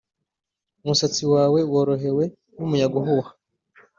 umusatsi wawe worohewe n'umuyaga uhuha;